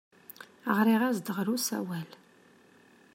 Ɣriɣ-as-d ɣer usawal.